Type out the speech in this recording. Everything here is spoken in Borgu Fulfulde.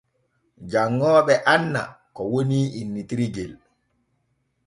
Janŋooɓe anna ko woni innitirgel.